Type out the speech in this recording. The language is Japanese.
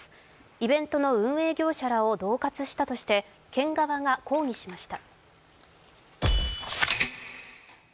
イベントの運営業者らをどう喝したとして県側が抗議しました。